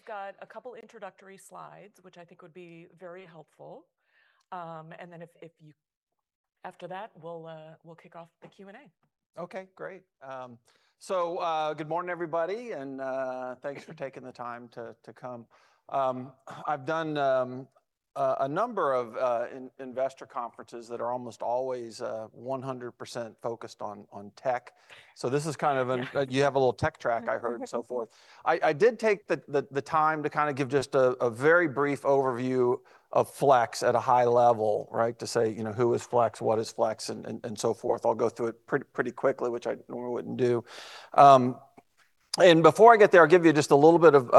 You've got a couple introductory slides, which I think would be very helpful. After that, we'll kick off the Q&A. Okay, great. Good morning, everybody, and thanks for taking the time to come. I've done a number of investor conferences that are almost always 100% focused on tech. This is kind of an- Yeah. You have a little tech. Mm-hmm. I heard and so forth. I did take the time to kind of give just a very brief overview of Flex at a high level, right? To say, you know, who is Flex, what is Flex, and so forth. I'll go through it pretty quickly, which I normally wouldn't do. Before I get there, I'll give you just a little bit of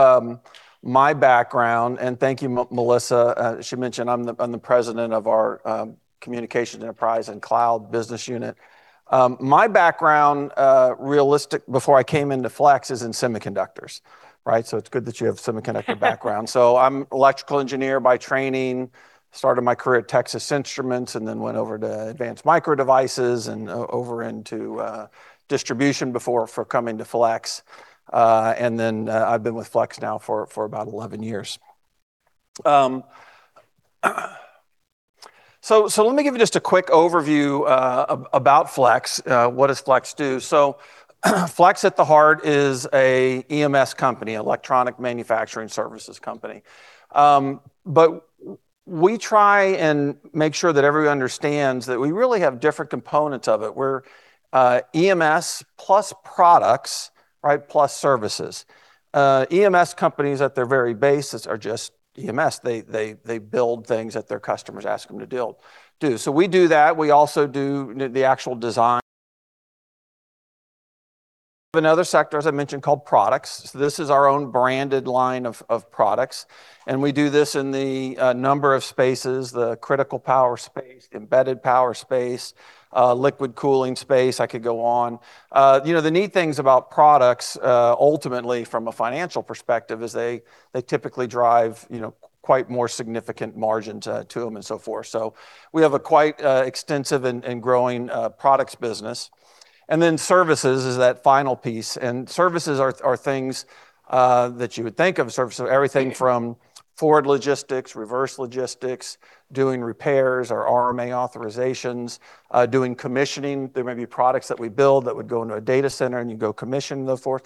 my background. Thank you, Melissa, she mentioned I'm the president of our Communications, Enterprise and Cloud business unit. My background, realistic before I came into Flex is in semiconductors, right? It's good that you have semiconductor background. I'm electrical engineer by training, started my career at Texas Instruments and then went over to Advanced Micro Devices and over into distribution before coming to Flex. I've been with Flex now for about 11 years. Let me give you just a quick overview about Flex. What does Flex do? Flex at the heart is a EMS company, electronic manufacturing services company. We try and make sure that everybody understands that we really have different components of it. We're EMS plus products, right, plus services. EMS companies at their very basis are just EMS. They build things that their customers ask them to do. We do that. We also do the actual design. Another sector, as I mentioned, called products. This is our own branded line of products, and we do this in the number of spaces, the critical power space, embedded power space, liquid cooling space. I could go on. You know, the neat things about products, ultimately, from a financial perspective, is they typically drive, you know, quite more significant margins to them and so forth. We have a quite extensive and growing products business. Then services is that final piece. Services are things that you would think of. Services, everything from forward logistics, reverse logistics, doing repairs or RMA authorizations, doing commissioning. There may be products that we build that would go into a data center, and you go commission and so forth.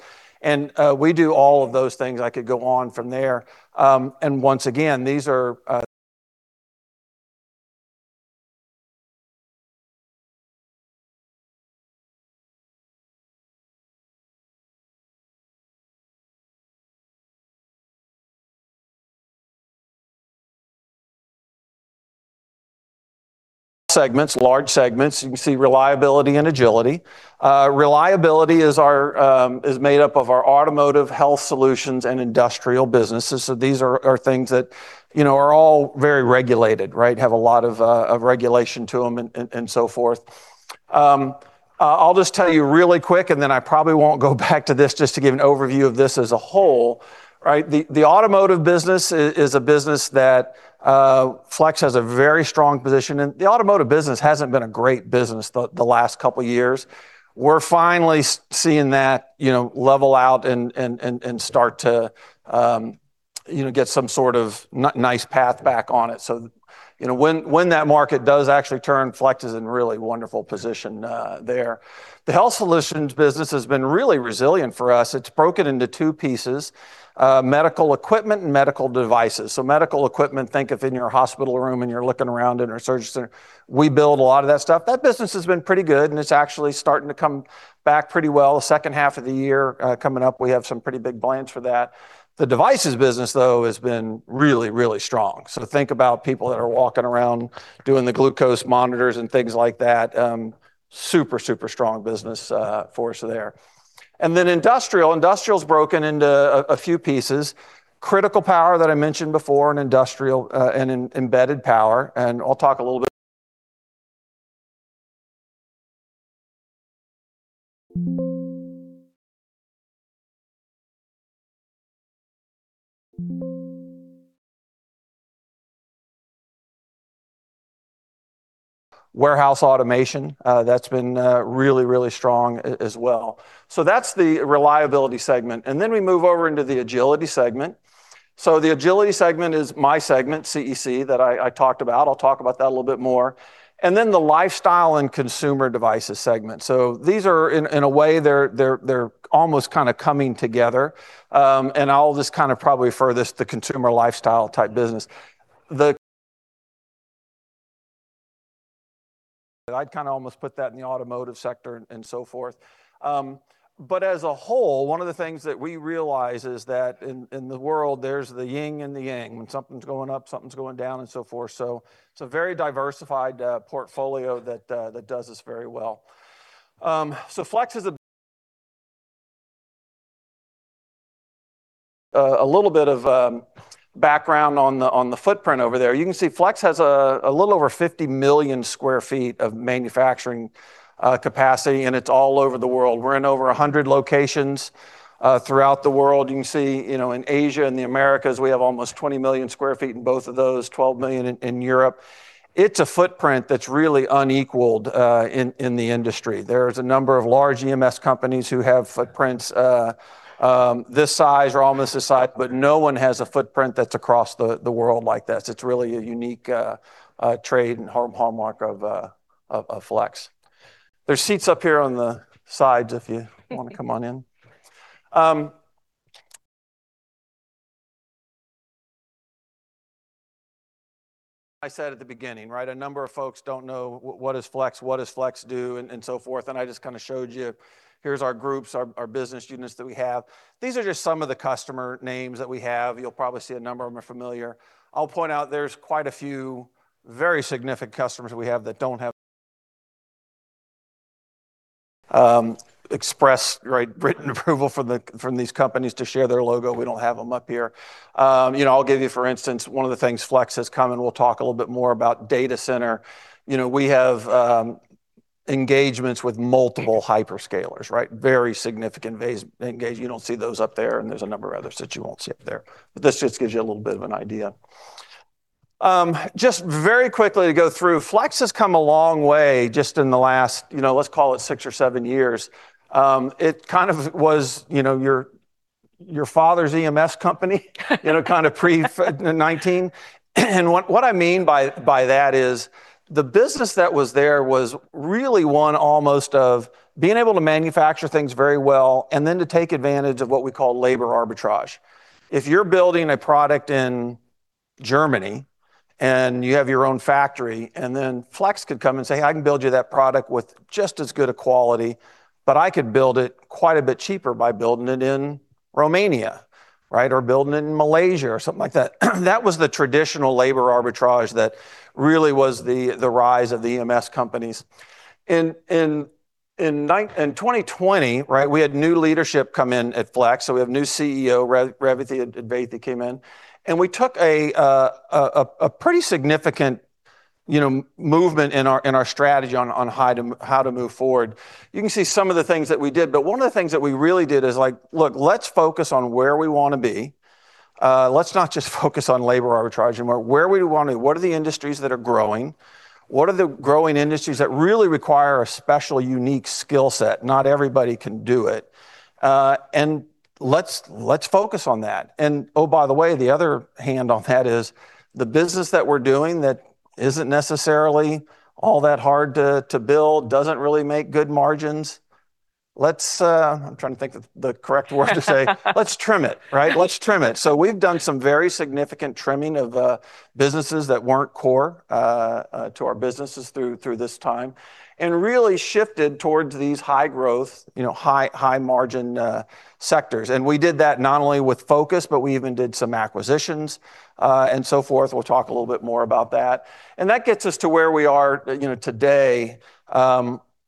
We do all of those things. I could go on from there. Once again, these are segments, large segments. You can see reliability and agility. Reliability is our is made up of our automotive health solutions and industrial businesses. These are things that, you know, are all very regulated, right? Have a lot of regulation to them and so forth. I'll just tell you really quick, and then I probably won't go back to this just to give an overview of this as a whole, right? The automotive business is a business that Flex has a very strong position in. The automotive business hasn't been a great business the last couple years. We're finally seeing that, you know, level out and start to, you know, get some sort of nice path back on it. You know, when that market does actually turn, Flex is in really wonderful position there. The health solutions business has been really resilient for us. It's broken into two pieces, medical equipment and medical devices. Medical equipment, think of in your hospital room, and you're looking around in a surgery center. We build a lot of that stuff. That business has been pretty good, and it's actually starting to come back pretty well. The second half of the year, coming up, we have some pretty big plans for that. The devices business, though, has been really, really strong. Think about people that are walking around doing the glucose monitors and things like that. Super, super strong business for us there. Industrial. Industrial is broken into a few pieces. Critical power that I mentioned before in industrial, and embedded power, and I'll talk a little bit. Warehouse automation, that's been really, really strong as well. That's the Reliability Segment. We move over into the Agility Segment. The agility segment is my segment, CEC, that I talked about. I'll talk about that a little bit more. The lifestyle and consumer devices segment. These are in a way, they're almost kinda coming together. I'll just kinda probably refer this to consumer lifestyle type business. I'd kinda almost put that in the automotive sector and so forth. One of the things that we realize is that in the world, there's the yin and the yang, when something's going up, something's going down and so forth. It's a very diversified portfolio that does this very well. A little bit of background on the footprint over there. You can see Flex has a little over 50 million sq ft of manufacturing capacity. It's all over the world. We're in over 100 locations throughout the world. You can see, you know, in Asia and the Americas, we have almost 20 million sq ft in both of those, 12 million in Europe. It's a footprint that's really unequaled in the industry. There is a number of large EMS companies who have footprints this size or almost this size. No one has a footprint that's across the world like this. It's really a unique trade and hallmark of Flex. There's seats up here on the sides if you wanna come on in. I said at the beginning, right? A number of folks don't know what is Flex, what does Flex do, and so forth, and I just kinda showed you here's our groups, our business units that we have. These are just some of the customer names that we have. You'll probably see a number of them are familiar. I'll point out there's quite a few very significant customers we have that don't have express, right, written approval from these companies to share their logo. We don't have them up here. You know, I'll give you, for instance, one of the things Flex has come, and we'll talk a little bit more about data center. You know, we have engagements with multiple hyperscalers, right? Very significant engagements. You don't see those up there, and there's a number of others that you won't see up there. This just gives you a little bit of an idea. Just very quickly to go through, Flex has come a long way just in the last, you know, let's call it six or seven years. It kind of was, you know, your father's EMS company. You know, kind of pre-2019. What I mean by that is the business that was there was really one almost of being able to manufacture things very well and then to take advantage of what we call labor arbitrage. If you're building a product in Germany, and you have your own factory, then Flex could come and say, "I can build you that product with just as good a quality, but I could build it quite a bit cheaper by building it in Romania," right? Or building it in Malaysia or something like that. That was the traditional labor arbitrage that really was the rise of the EMS companies. In 2020, right, we had new leadership come in at Flex. We have new CEO, Revathi Advaithi came in. We took a, a pretty significant, you know, movement in our, in our strategy on how to move forward. You can see some of the things that we did, but one of the things that we really did is like, look, let's focus on where we wanna be. Let's not just focus on labor arbitrage anymore. What are the industries that are growing? What are the growing industries that really require a special, unique skill set? Not everybody can do it. Let's focus on that. Oh, by the way, the other hand on that is the business that we're doing that isn't necessarily all that hard to build, doesn't really make good margins, let's. I'm trying to think of the correct word to say. Let's trim it, right? Let's trim it. We've done some very significant trimming of businesses that weren't core to our businesses through this time, and really shifted towards these high growth, you know, high margin sectors. We did that not only with focus, but we even did some acquisitions and so forth. We'll talk a little bit more about that. That gets us to where we are, you know, today.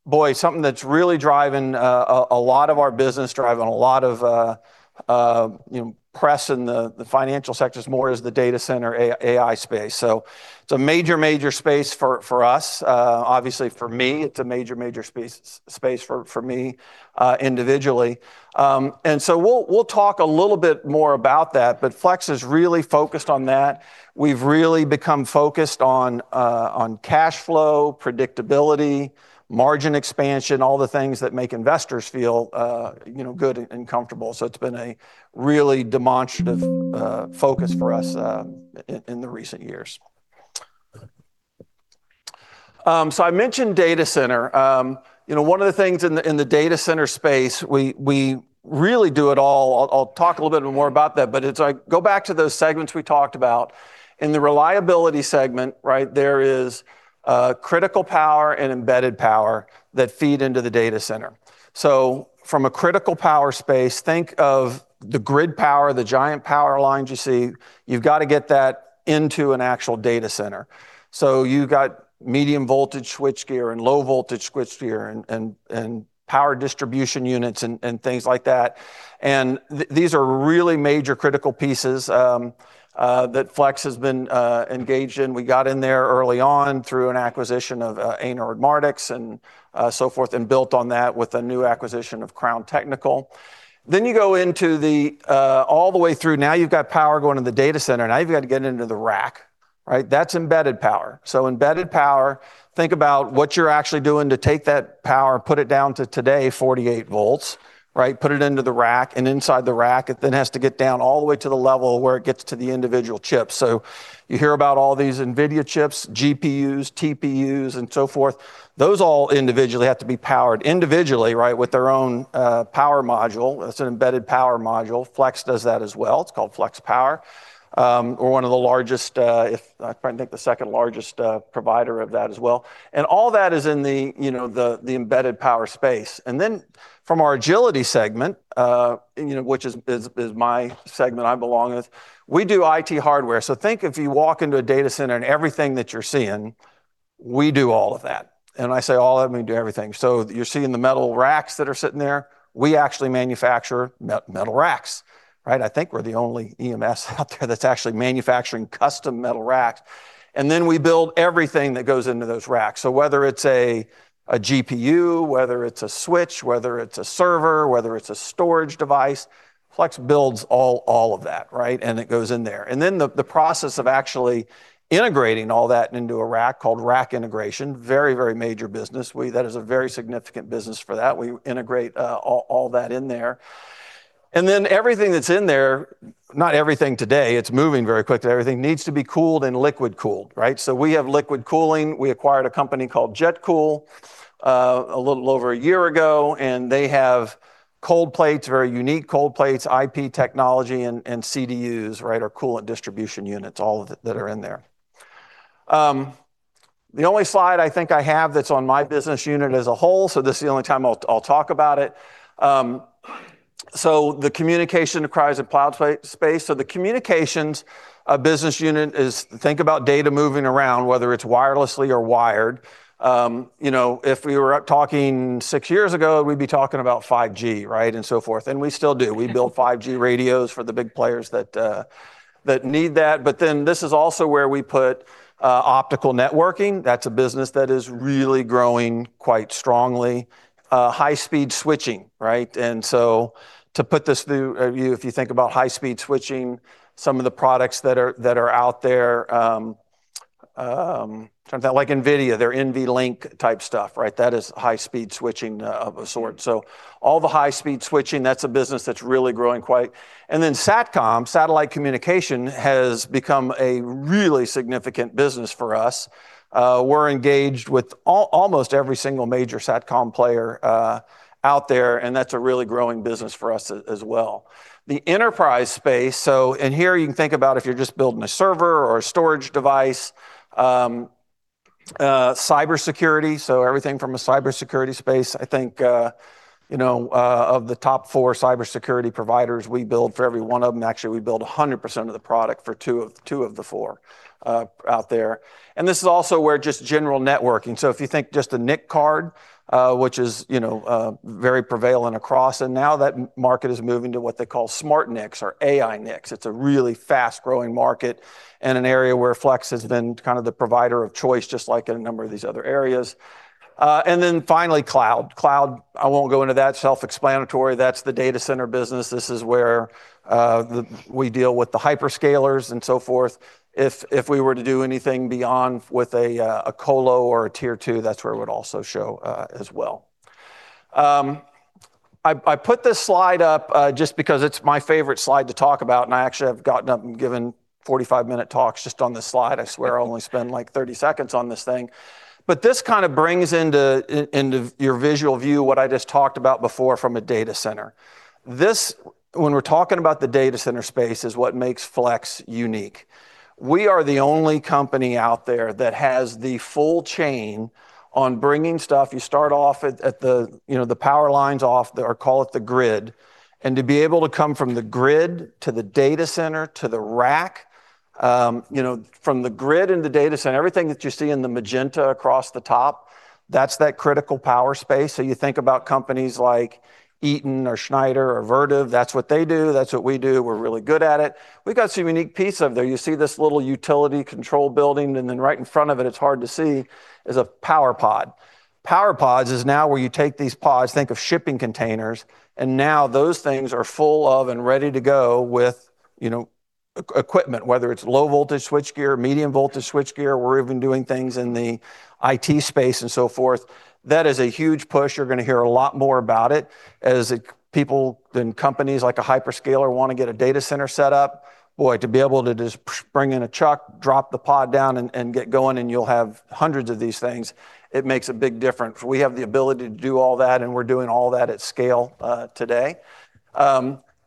Boy, something that's really driving a lot of our business, driving a lot of, you know, press in the financial sectors more is the data center AI space. It's a major space for us. Obviously for me, it's a major space for me individually. We'll talk a little bit more about that, but Flex is really focused on that. We've really become focused on cash flow, predictability, margin expansion, all the things that make investors feel, you know, good and comfortable. It's been a really demonstrative focus for us in the recent years. I mentioned data center. You know, one of the things in the data center space, we really do it all. I'll talk a little bit more about that. It's like go back to those segments we talked about. In the reliability segment, right, there is critical power and embedded power that feed into the data center. From a critical power space, think of the grid power, the giant power lines you see. You've got to get that into an actual data center. You got medium voltage switchgear and low voltage switchgear and power distribution units and things like that. These are really major critical pieces that Flex has been engaged in. We got in there early on through an acquisition of Anord Mardix and so forth, and built on that with a new acquisition of Crown Technical. You go into the all the way through. Now you've got power going to the data center. Now you've got to get into the rack, right? That's embedded power. Embedded power, think about what you're actually doing to take that power, put it down to today 48 volts, right? Put it into the rack, inside the rack, it then has to get down all the way to the level where it gets to the individual chips. You hear about all these Nvidia chips, GPUs, TPUs, and so forth. Those all individually have to be powered individually, right, with their own power module. That's an embedded power module. Flex does that as well. It's called Flex Power. We're one of the largest, the second largest provider of that as well. All that is in the, you know, the embedded power space. From our agility segment, you know, which is my segment I belong with, we do IT hardware. Think if you walk into a data center and everything that you're seeing, we do all of that. When I say all of that, we do everything. You're seeing the metal racks that are sitting there. We actually manufacture metal racks, right? I think we're the only EMS out there that's actually manufacturing custom metal racks. We build everything that goes into those racks. Whether it's a GPU, whether it's a switch, whether it's a server, whether it's a storage device, Flex builds all of that, right? It goes in there. The process of actually integrating all that into a rack called rack integration, very major business. That is a very significant business for that. We integrate all that in there. Everything that's in there, not everything today, it's moving very quickly. Everything needs to be cooled and liquid cooled, right? We have liquid cooling. We acquired a company called JetCool a little over 1 year ago, and they have cold plates, very unique cold plates, IP technology, and CDUs, right, or coolant distribution units, all of it that are in there. The only slide I think I have that's on my business unit as a whole, this is the only time I'll talk about it. The Communications, Enterprise and Cloud space. The Communications business unit is think about data moving around, whether it's wirelessly or wired. You know, if we were up talking six years ago, we'd be talking about 5G, right? So forth, and we still do. We build 5G radios for the big players that need that. This is also where we put optical networking. That's a business that is really growing quite strongly. High speed switching, right? To put this through, if you think about high speed switching, some of the products that are out there, sort of like NVIDIA, their NVLink-Type stuff, right? That is high speed switching of a sort. All the high speed switching, that's a business that's really growing quite. Satcom, satellite communication, has become a really significant business for us. We're engaged with almost every single major Satcom player, out there, and that's a really growing business for us as well. The enterprise space, and here you can think about if you're just building a server or a storage device, cybersecurity, so everything from a cybersecurity space, I think, you know, of the Top four cybersecurity providers we build for every one of them, actually, we build 100% of the product for two of the four out there. This is also where just general networking. If you think just a NIC card, which is, you know, very prevalent across, and now that market is moving to what they call SmartNICs or AI NICs. It's a really fast-growing market and an area where Flex has been kind of the provider of choice, just like in a number of these other areas. Finally, cloud. Cloud, I won't go into that. Self-explanatory. That's the data center business. This is where we deal with the hyperscalers and so forth. If we were to do anything beyond with a colo or a tier two, that's where it would also show as well. I put this slide up just because it's my favorite slide to talk about, and I actually have gotten up and given 45 minute talks just on this slide. I swear I only spend like 30 seconds on this thing. This kind of brings into your visual view what I just talked about before from a data center. When we're talking about the data center space, is what makes Flex unique. We are the only company out there that has the full chain on bringing stuff. You start off at the, you know, the power lines off or call it the grid. To be able to come from the grid to the data center, to the rack, you know, from the grid in the data center, everything that you see in the magenta across the top, that's that critical power space. You think about companies like Eaton or Schneider or Vertiv, that's what they do. That's what we do. We're really good at it. We've got some unique piece of there. You see this little utility control building, and then right in front of it's hard to see, is a power pod. Power pods is now where you take these pods, think of shipping containers, now those things are full of and ready to go with, you know, equipment, whether it's low voltage switchgear, medium voltage switchgear. We're even doing things in the IT space and so forth. That is a huge push. You're gonna hear a lot more about it as people and companies like a hyperscaler wanna get a data center set up. Boy, to be able to just bring in a truck, drop the pod down and get going, and you'll have hundreds of these things, it makes a big difference. We have the ability to do all that, we're doing all that at scale today.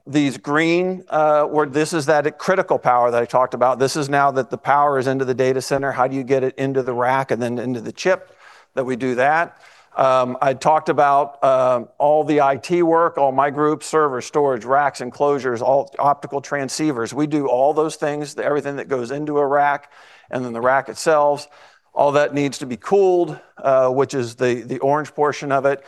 These green where this is that critical power that I talked about. This is now that the power is into the data center. How do you get it into the rack and then into the chip that we do that? I talked about all the IT work, all my group, server, storage, racks, enclosures, optical transceivers. We do all those things, everything that goes into a rack, and then the rack itself. All that needs to be cooled, which is the orange portion of it.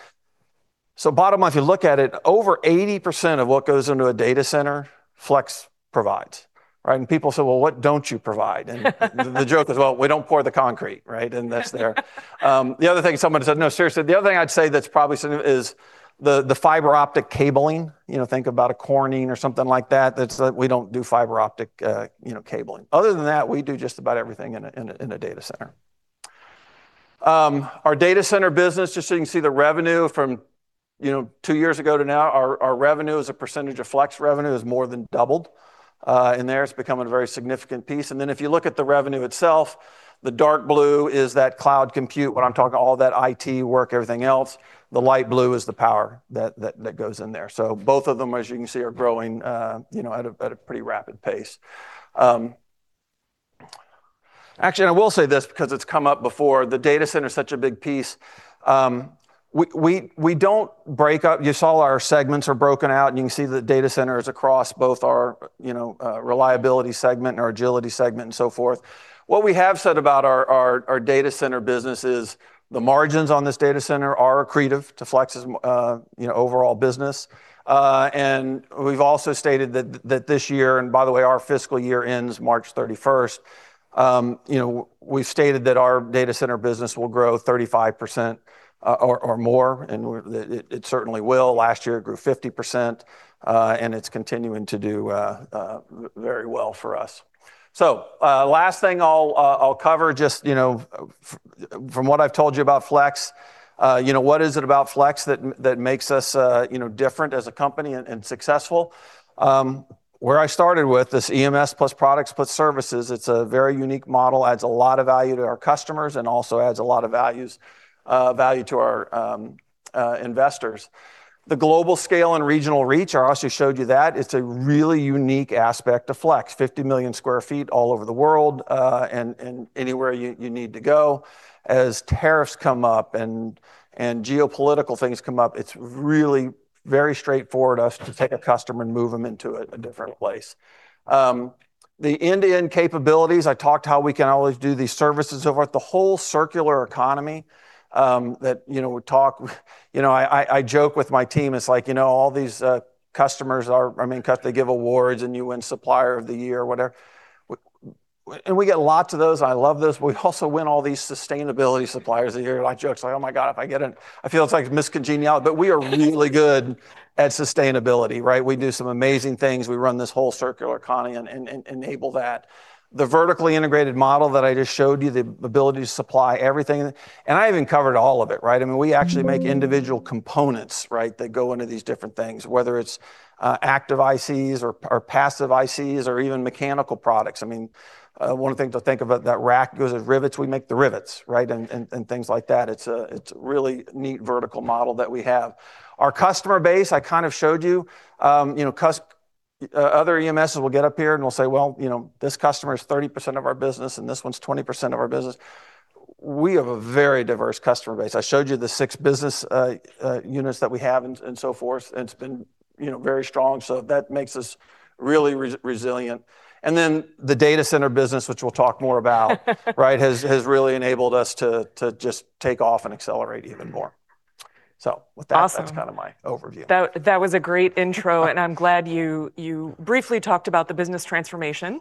Bottom line, if you look at it, over 80% of what goes into a data center, Flex provides, right? People say, "Well, what don't you provide?" The joke is, well, we don't pour the concrete, right? That's there. The other thing, no, seriously, the other thing I'd say that's probably similar is the fiber optic cabling. You know, think about a Corning or something like that. That's, we don't do fiber optic, you know, cabling. Other than that, we do just about everything in a data center. Our data center business, just so you can see the revenue from, you know, two years ago to now. Our revenue as a percentage of Flex revenue has more than doubled in there. It's become a very significant piece. If you look at the revenue itself, the dark blue is that cloud compute. What I'm talking all that IT work, everything else. The light blue is the power that goes in there. Both of them, as you can see, are growing, you know, at a pretty rapid pace. Actually, and I will say this because it's come up before. The data center is such a big piece. You saw our segments are broken out, and you can see the data center is across both our, you know, reliability segment and our agility segment and so forth. What we have said about our data center business is the margins on this data center are accretive to Flex's, you know, overall business. We've also stated that this year, and by the way, our fiscal year ends March 31st, you know, we've stated that our data center business will grow 35%, or more, and it certainly will. Last year, it grew 50%, and it's continuing to do very well for us. Last thing I'll cover just, you know, from what I've told you about Flex. You know, what is it about Flex that makes us, you know, different as a company and successful? Where I started with, this EMS Plus products plus services, it's a very unique model. Adds a lot of value to our customers, and also adds a lot of values, value to our investors. The global scale and regional reach, I also showed you that. It's a really unique aspect of Flex. 50 million sq ft all over the world, and anywhere you need to go. As tariffs come up and geopolitical things come up, it's really very straightforward us to take a customer and move them into a different place. The end-to-end capabilities, I talked how we can always do these services. For the whole circular economy, that, you know, we talk... You know, I joke with my team. It's like, you know, all these customers are... I mean, they give awards, and you win supplier of the year, whatever. We get lots of those. I love those. We also win all these sustainability suppliers of the year. I joke, say, "Oh my God, if I get an..." I feel it's like Miss Congeniality. We are really good at sustainability, right? We do some amazing things. We run this whole circular economy and enable that. The vertically integrated model that I just showed you, the ability to supply everything. I haven't covered all of it, right? I mean, we actually make individual components, right, that go into these different things. Whether it's active ICs or passive ICs or even mechanical products. I mean, one thing to think about that rack goes with rivets, we make the rivets, right, and things like that. It's a really neat vertical model that we have. Our customer base, I kind of showed you. You know, other EMSs will get up here and will say, "Well, you know, this customer is 30% of our business, and this one's 20% of our business." We have a very diverse customer base. I showed you the six business units that we have and so forth. It's been, you know, very strong, so that makes us really resilient. The data center business, which we'll talk more about, right, has really enabled us to just take off and accelerate even more. With that. Awesome... that's kind of my overview. That was a great intro. I'm glad you briefly talked about the business transformation,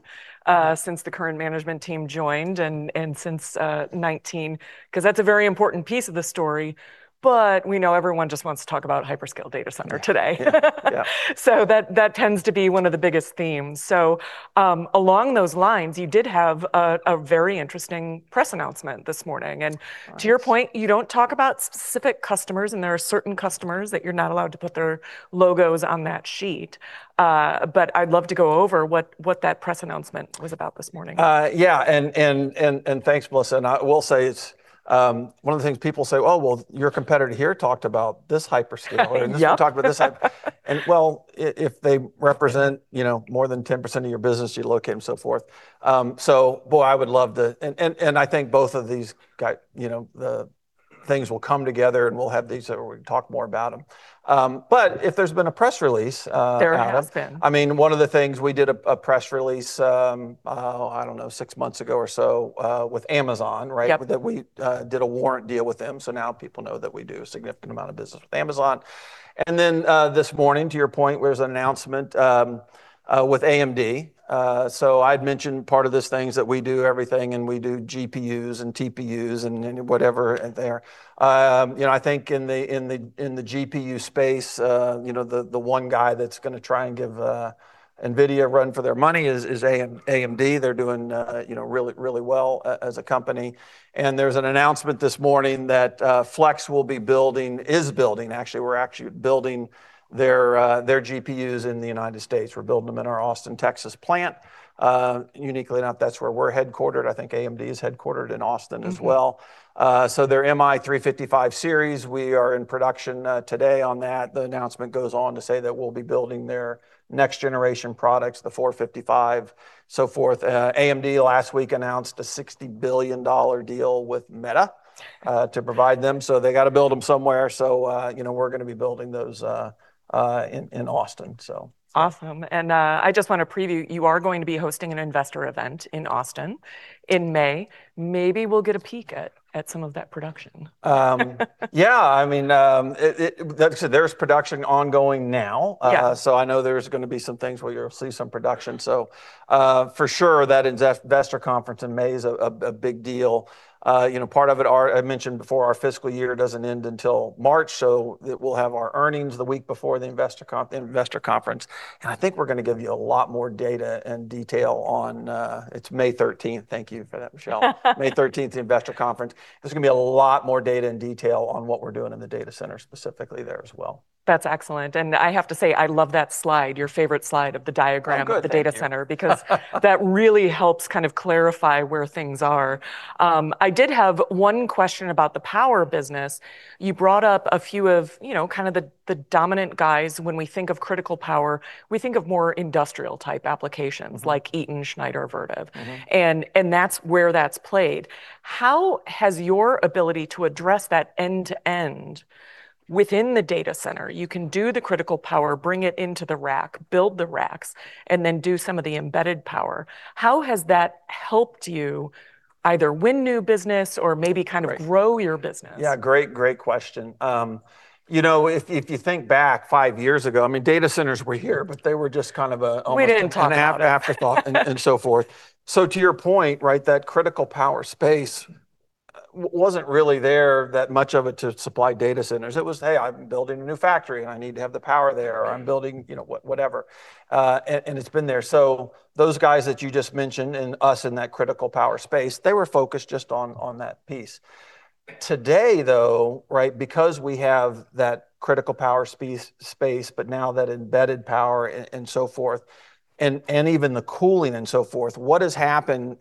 since the current management team joined, and since 2019. Because that's a very important piece of the story, but we know everyone just wants to talk about hyperscale data center today. Yeah. That tends to be one of the biggest themes. Along those lines, you did have a very interesting press announcement this morning. That's right. To your point, you don't talk about specific customers, and there are certain customers that you're not allowed to put their logos on that sheet. I'd love to go over what that press announcement was about this morning. Yeah. Thanks, Melissa. I will say it's, one of the things people say, "Oh, well, your competitor here talked about this hyperscale. Yeah. This one talked about this. Well, if they represent, you know, more than 10% of your business, you locate and so forth. Boy, I would love to. I think both of these guy, you know, the things will come together, and we'll have these so we can talk more about them. If there's been a press release. There has been I mean, one of the things we did a press release, oh, I don't know, six months ago or so, with Amazon, right? Yep. We did a warrant deal with them. Now people know that we do a significant amount of business with Amazon. This morning, to your point, there was an announcement with AMD. I'd mentioned part of this thing is that we do everything, and we do GPUs and TPUs, and then whatever there. You know, I think in the, in the, in the GPU space, you know, the one guy that's gonna try and give Nvidia a run for their money is AMD. They're doing, you know, really, really well as a company. There's an announcement this morning that Flex will be building, is building, actually. We're actually building their GPUs in the United States. We're building them in our Austin, Texas plant. Uniquely enough, that's where we're headquartered. I think AMD is headquartered in Austin as well. Mm-hmm. Their MI355X series, we are in production today on that. The announcement goes on to say that we'll be building their next generation products, the MI455X, so forth. AMD last week announced a $60 billion deal with Meta to provide them, they gotta build them somewhere. You know, we're gonna be building those in Austin. Awesome. I just wanna preview, you are going to be hosting an investor event in Austin in May. Maybe we'll get a peek at some of that production? Yeah. I mean, it, like I said, there's production ongoing now. Yeah. I know there's gonna be some things where you'll see some production. For sure that investor conference in May is a big deal. You know, part of it our, I mentioned before our fiscal year doesn't end until March, so it will have our earnings the week before the investor conference. I think we're gonna give you a lot more data and detail on. It's May 13th. Thank you for that, Michelle. May 13th, the investor conference. There's gonna be a lot more data and detail on what we're doing in the data center specifically there as well. That's excellent, and I have to say I love that slide, your favorite slide of the diagram- Oh, good. Thank you. of the data center. Because that really helps kind of clarify where things are. I did have one question about the power business. You brought up a few of, you know, kind of the dominant guys. When we think of critical power, we think of more industrial type applications- Mm-hmm... like Eaton, Schneider Electric, Vertiv Mm-hmm. That's where that's played. You can do the critical power, bring it into the rack, build the racks, and then do some of the embedded power. How has that helped you either win new business or maybe- Right... kind of grow your business? Yeah, great question. you know, if you think back five years ago, I mean, data centers were here, but they were just kind of a. We didn't talk about it.... afterthought and so forth. To your point, right, that critical power space wasn't really there that much of it to supply data centers. It was, "Hey, I'm building a new factory and I need to have the power there. Mm-hmm. I'm building," you know, whatever. And it's been there. Those guys that you just mentioned and us in that critical power space, they were focused just on that piece. Today, though, right, because we have that critical power space but now that embedded power and so forth and even the cooling and so forth, what is happening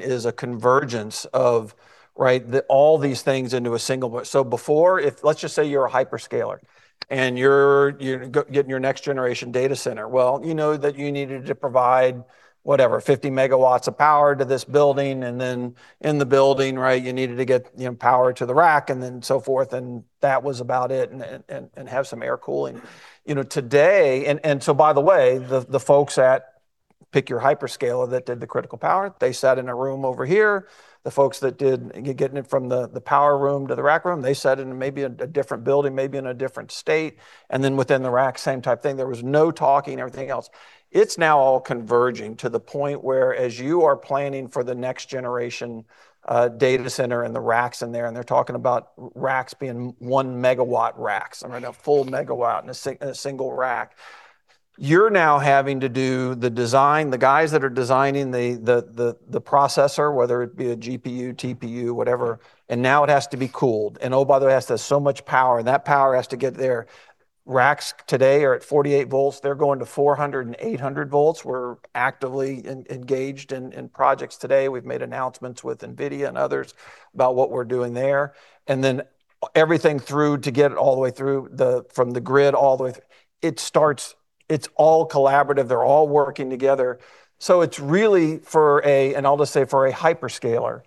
is a convergence of, right, the all these things into a single. Before, if let's just say you're a hyperscaler and you're, you getting your next generation data center, well, you know that you needed to provide, whatever, 50 megawatts of power to this building and then in the building, right, you needed to get, you know, power to the rack and then so forth, and that was about it, and have some air cooling. You know, today, the folks at, pick your hyperscaler that did the critical power, they sat in a room over here. The folks that did getting it from the power room to the rack room, they sat in a, maybe a different building, maybe in a different state. Within the rack, same type thing. There was no talking, everything else. It's now all converging to the point where as you are planning for the next generation data center and the racks in there, and they're talking about racks being 1 megawatt racks. I mean, a full megawatt in a single rack. You're now having to do the design, the guys that are designing the processor, whether it be a GPU, TPU, whatever, and now it has to be cooled, and oh, by the way, it has to have so much power, and that power has to get there. Racks today are at 48 volts. They're going to 400 and 800 volts. We're actively engaged in projects today. We've made announcements with Nvidia and others about what we're doing there. Everything through to get it all the way from the grid all the way through, it starts, it's all collaborative. They're all working together. It's really for a hyperscaler,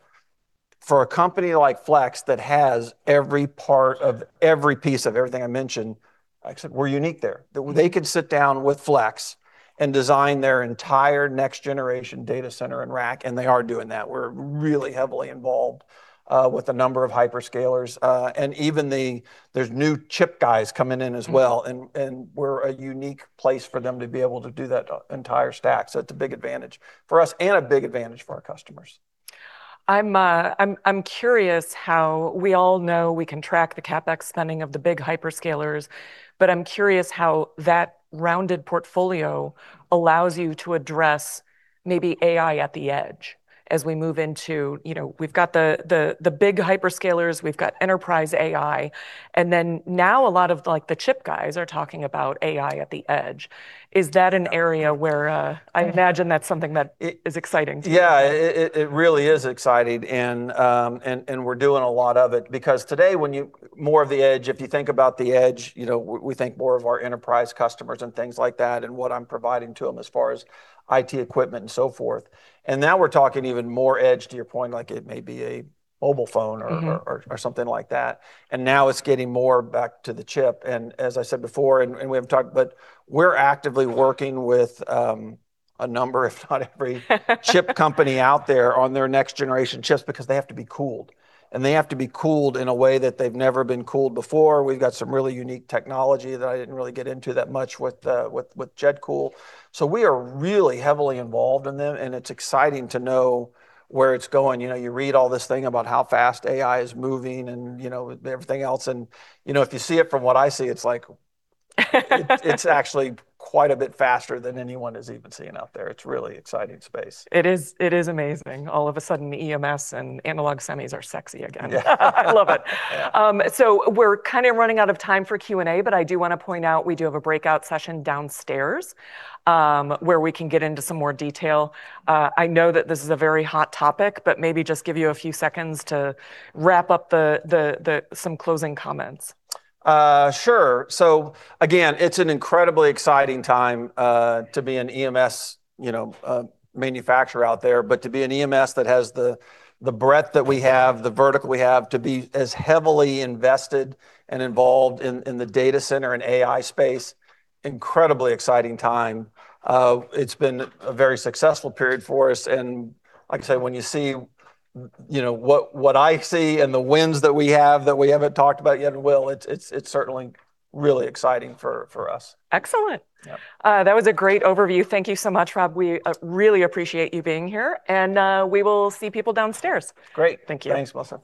for a company like Flex that has every part of every piece of everything I mentioned, like I said, we're unique there. They could sit down with Flex and design their entire next generation data center and rack, and they are doing that. We're really heavily involved with a number of hyperscalers. Even the, there's new chip guys coming in as well. Mm-hmm. We're a unique place for them to be able to do that entire stack, so it's a big advantage for us and a big advantage for our customers. I'm curious how we all know we can track the CapEx spending of the big hyperscalers, but I'm curious how that rounded portfolio allows you to address maybe AI at the edge as we move into, you know, we've got the big hyperscalers, we've got enterprise AI, and then now a lot of, like, the chip guys are talking about AI at the edge. Is that an area where I imagine that's something that is exciting to you? Yeah. It really is exciting and we're doing a lot of it because today when you, more of the edge, if you think about the edge, you know, we think more of our enterprise customers and things like that and what I'm providing to them as far as IT equipment and so forth. Now we're talking even more edge, to your point, like it may be a mobile phone or- Mm-hmm or something like that. Now it's getting more back to the chip. As I said before, and we haven't talked, but we're actively working with a number, if not every chip company out there on their next generation chips because they have to be cooled, and they have to be cooled in a way that they've never been cooled before. We've got some really unique technology that I didn't really get into that much with JetCool. We are really heavily involved in them, and it's exciting to know where it's going. You know, you read all this thing about how fast AI is moving and, you know, everything else, and, you know, if you see it from what I see, it's actually quite a bit faster than anyone is even seeing out there. It's a really exciting space. It is amazing. All of a sudden, EMS and analog semis are sexy again. Yeah. I love it. Yeah. We're kinda running out of time for Q&A, but I do wanna point out we do have a breakout session downstairs, where we can get into some more detail. I know that this is a very hot topic, maybe just give you a few seconds to wrap up some closing comments. Again, it's an incredibly exciting time, to be an EMS, you know, manufacturer out there. To be an EMS that has the breadth that we have, the vertical we have, to be as heavily invested and involved in the data center and AI space, incredibly exciting time. It's been a very successful period for us, like I said, when you see, you know, what I see and the wins that we have that we haven't talked about yet and will, it's certainly really exciting for us. Excellent. Yeah. That was a great overview. Thank you so much, Rob. We really appreciate you being here and we will see people downstairs. Great. Thank you. Thanks, Melissa.